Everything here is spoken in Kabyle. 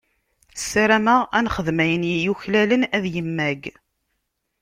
Sarameɣ ad nexdem ayen yuklalen ad yemmag.